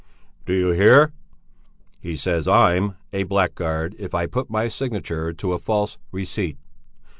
"Do you hear? He says I'm a blackguard if I put my signature to a false receipt.